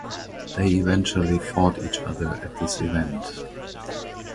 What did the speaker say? They eventually fought each other at this event.